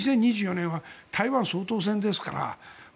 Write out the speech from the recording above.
２０２４年は台湾総統選ですから。